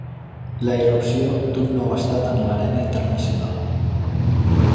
La irrupció d'un nou estat en l'arena internacional.